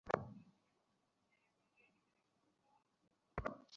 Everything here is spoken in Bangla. কোন সমস্যা নেই ম্যাডাম।